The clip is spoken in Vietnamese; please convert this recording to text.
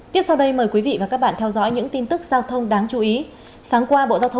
hãy đăng ký kênh để nhận thông tin nhất